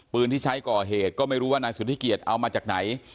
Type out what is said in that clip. ปืนที่ใช้ก่อเหตุก็ไม่รู้ว่านายสุธิเกียจเอามาจากไหน